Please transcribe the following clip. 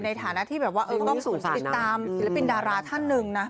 ในฐานะที่แบบว่าต้องติดตามศิลปินดาราท่านหนึ่งนะ